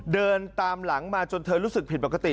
เดินตามหลังมาจนเธอรู้สึกผิดปกติ